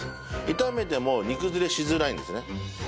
炒めても煮崩れしづらいんですね。